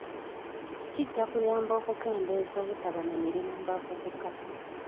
Kijja kuyamba okukendeeza obutaba na mirimu mu bavubuka .